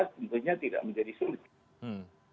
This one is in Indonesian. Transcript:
tentunya tidak menjadi sulit